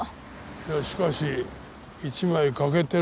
いやしかし１枚欠けてるから。